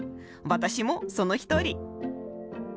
私もその一人。